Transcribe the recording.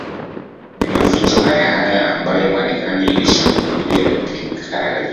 Ni maficho hayahaya ambayo Marekani Ilishambulia vikali